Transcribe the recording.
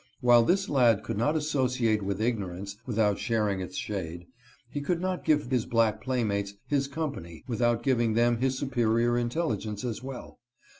While this lad could not associate with ignorance without shar ing its shade, he could not give his black playmates his company without giving them his superior intelligence as well.